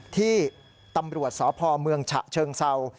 ที่ตำรวจสาวพอร์เมืองฉะเชิงเซา